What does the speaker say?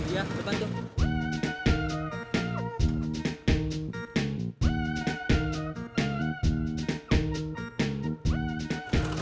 iya depan tuh